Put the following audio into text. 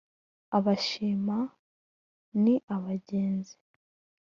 Abashima ni abingenzi.